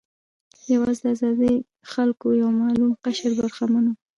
یوازې د آزادو خلکو یو معلوم قشر برخمن و.